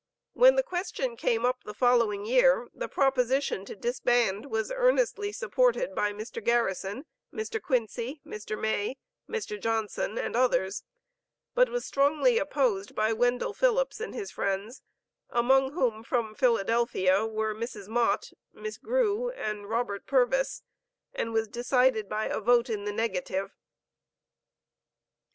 When the question came up the following year, the proposition to disband was earnestly supported by Mr. Garrison, Mr. Quincy, Mr. May, Mr. Johnson, and others, but was strongly opposed by Wendell Phillips and his friends, among whom from Philadelphia were Mrs. Mott, Miss Grew, and Robert Purvis, and was decided by a vote in the negative.